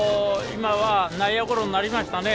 今は内野ゴロになりましたね。